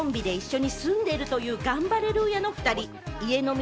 コンビで一緒に住んでいるというガンバレルーヤのお２人、家飲み